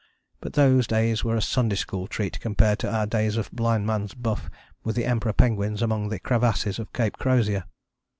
But those days were a Sunday School treat compared to our days of blind man's buff with the Emperor penguins among the crevasses of Cape Crozier.